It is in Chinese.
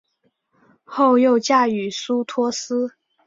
后又嫁予苏托斯。